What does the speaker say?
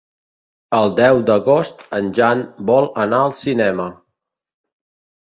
El deu d'agost en Jan vol anar al cinema.